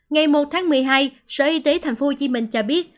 ngày một tháng một mươi hai sở y tế tp hcm cho biết